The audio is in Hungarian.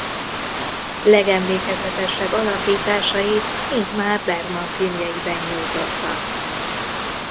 Legemlékezetesebb alakításait Ingmar Bergman filmjeiben nyújtotta.